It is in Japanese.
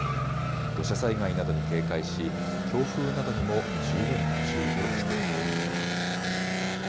土砂災害などに警戒し強風などにも十分注意をしてください。